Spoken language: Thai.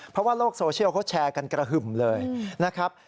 เพราะว่าโลกโซเชียลเขาแชร์กันกระหึ่มเลยนะครับ